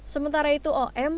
sementara itu om